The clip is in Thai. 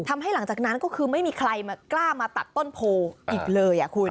หลังจากนั้นก็คือไม่มีใครมากล้ามาตัดต้นโพอีกเลยคุณ